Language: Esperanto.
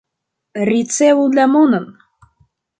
Ricevu la monon.